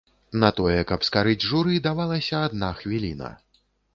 На тое, каб скарыць журы, давалася адна хвіліна.